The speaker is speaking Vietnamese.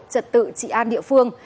hội trị an địa phương